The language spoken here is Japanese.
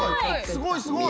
すごいすごい！